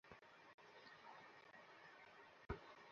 তোর বাবাকে কল করলে সে বলবে আমাকে?